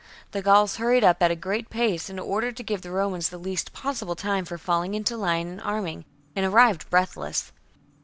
The Gauls hurried up at a great pace, in order to give the Romans the least possible time for falling into line and arming, and arrived breath less.